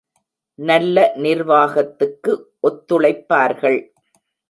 நல்ல நிர்வாகத்துக்கு ஒத்துழைப்பார்கள்.